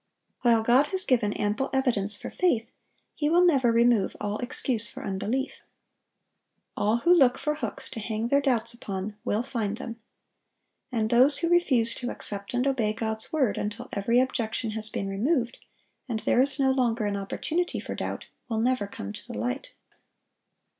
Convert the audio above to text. While God has given ample evidence for faith, He will never remove all excuse for unbelief. All who look for hooks to hang their doubts upon, will find them. And those who refuse to accept and obey God's word until every objection has been removed, and there is no longer an opportunity for doubt, will never come to the light.